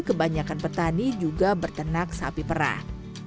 kebanyakan petani juga bertenak sapi perah